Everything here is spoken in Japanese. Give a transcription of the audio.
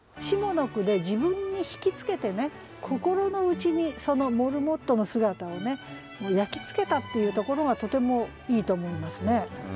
下の句で自分に引き付けてね心の内にそのモルモットの姿を焼き付けたっていうところがとてもいいと思いますね。